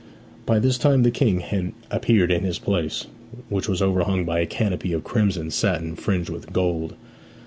By this time the King had appeared in his place, which was overhung by a canopy of crimson satin fringed with gold.